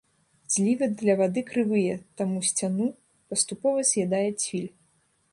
Злівы для вады крывыя, таму сцяну паступова з'ядае цвіль.